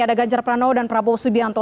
ada ganjar pranowo dan prabowo subianto